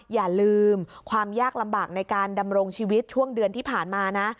อย่าลืมความยากลำบากในการดำรงชีวิตช่วงเดือนที่ผ่านมานะ